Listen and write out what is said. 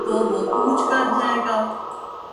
تو وہ کوچ کر جائے گا۔